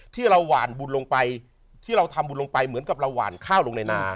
ระหว่างบุญลงไปที่เราทำบุญลงไปเหมือนกับเราหวานข้าวลงในนา